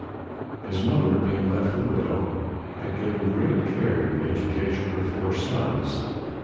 His mother, being left a widow, had given great care to the education of her four sons.